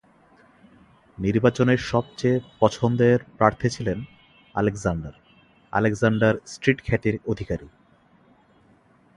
নির্বাচনে সবচেয়ে পছন্দের প্রার্থী ছিলেন আলেকজান্ডার, আলেকজান্ডার স্ট্রিট খ্যাতির অধিকারী।